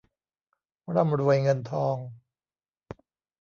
ร่ำรวยเงินทอง